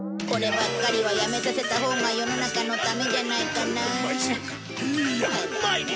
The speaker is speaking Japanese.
こればっかりはやめさせたほうが世の中のためじゃないかなあ。